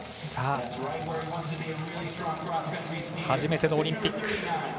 初めてのオリンピック。